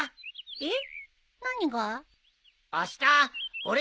えっ。